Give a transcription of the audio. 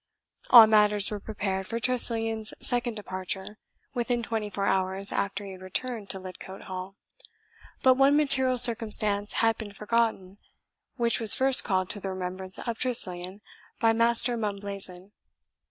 All matters were prepared for Tressilian's second departure, within twenty four hours after he had returned to Lidcote Hall; but one material circumstance had been forgotten, which was first called to the remembrance of Tressilian by Master Mumblazen.